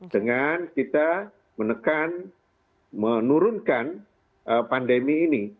dengan kita menekan menurunkan pandemi ini